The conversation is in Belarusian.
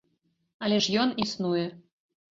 Але ж ён існуе.